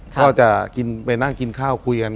ก็จะกินไปนั่งกินข้าวคุยกัน